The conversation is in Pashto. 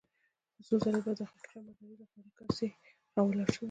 څو ځله به د خاکيشاه مداري له غوړې کاسې را ولاړ شوی يم.